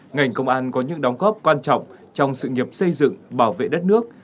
ngành công an có những đóng góp quan trọng trong sự nghiệp xây dựng bảo vệ đất nước